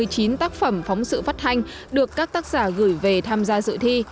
các tác phẩm phóng sự phát hành được các tác giả gửi về tham gia sự thi